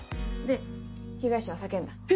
で被害者は叫んだ。